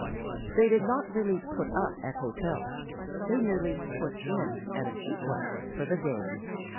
They did not really "put up" at hotels. They merely "put in," at a cheap one, for the day.